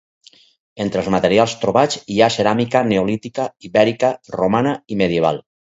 Entre els materials trobats hi ha ceràmica neolítica, ibèrica, romana i medieval.